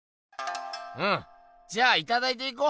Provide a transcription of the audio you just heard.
うんじゃあいただいていこう。